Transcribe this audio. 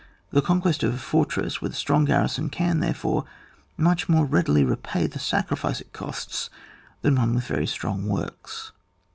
The conquest of a fortress with a strong garrison can, therefore, much more readilv repay the sacrifice it costs than one with very strong works.